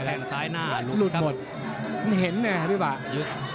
แข่งสายหน้าลุดหมด